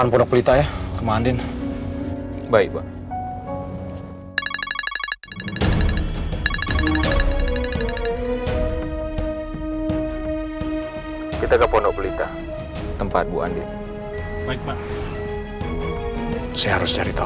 halo pak ini nan jessica